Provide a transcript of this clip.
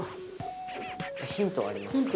ヒントありますか？